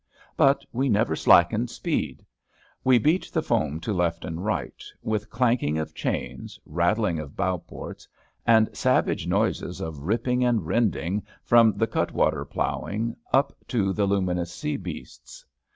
But we never slackened speed; we beat the foam to left and right with clanking of chains, rattling of bowports, and savage noises of ripping and rending from the cutwater ploughing up to the luminous sea beasts.